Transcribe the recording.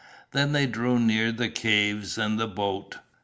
Then they drew near the caves and the boat.